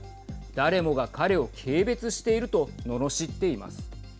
誰もが彼を軽蔑しているとののしっています。